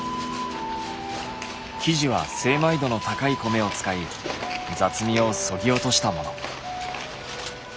生地は精米度の高い米を使い雑味をそぎ落としたもの。